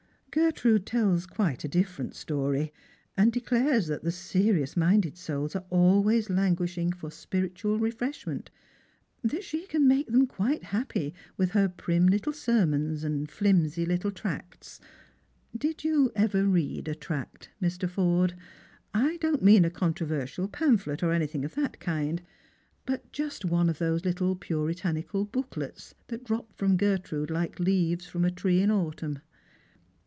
Gertrude tells quite a different story, and declares that the serious minded souls are always languish Tig for spiritual refreshment, that she can make them quite happy with her prim little sermons and flimsy little tracts, 28 Strangers and Piigrimi. Did you ever read a tract, Mr. Forde ? I don't mean a contro versial pamphlet, or anything of that kind; but just one of those little puritanical booklets that drop from Gertrude like leaves from a tree in autumn